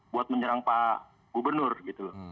buat menyerang pak gubernur gitu loh